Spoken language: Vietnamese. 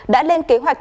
đã lên kế hoạch